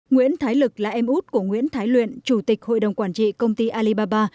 nguyễn thái lực là em út của nguyễn thái luyện chủ tịch hội đồng quản trị công ty alibaba